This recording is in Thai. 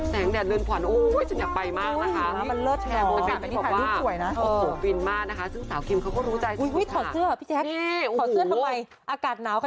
แสงแดดลื่นผวันโอ้ยฉันอยากไปมากนะคะ